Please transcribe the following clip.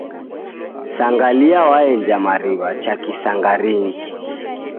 Sangalia waenja mariw'a cha kisangarinyi.